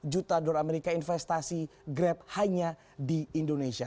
jadi ini adalah investasi grab hanya di indonesia